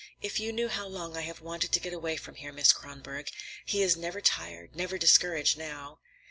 "If you knew how long I have wanted to get him away from here, Miss Kronborg! He is never tired, never discouraged, now."